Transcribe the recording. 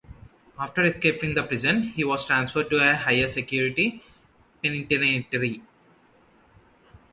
After escaping the prison he was transferred to a higher security penitentiary.